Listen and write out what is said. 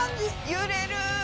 揺れる！